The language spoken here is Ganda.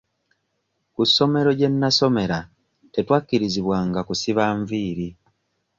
Ku ssomero gye nasomera tetwakkirizibwanga kusiba nviiri.